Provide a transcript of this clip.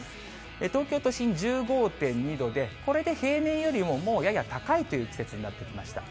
東京都心、１５．２度で、これで平年よりももうやや高いという季節になってきました。